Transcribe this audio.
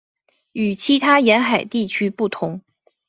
与其他沿海地区不同。